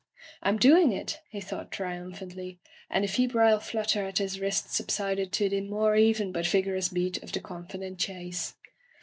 "Fm doing it,'* he thought triumphandy, and the febrile flutter at his wrists subsided to the more even but vigorous beat of the con fident chase.